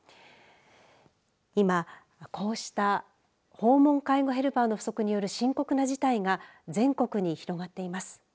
今、こうした訪問介護ヘルパーの不足による深刻な事態が全国に広がっています。